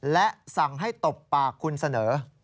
และสั่งให้ตบปากคุณเสนอ